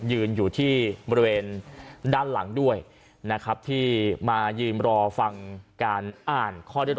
ยืนอยู่ที่บริเวณด้านหลังด้วยนะครับที่มายืนรอฟังการอ่านข้อเรียก